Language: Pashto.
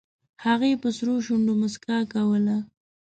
هغې په سرو شونډو موسکا کوله